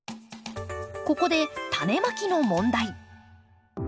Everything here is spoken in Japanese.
ここで種まきの問題。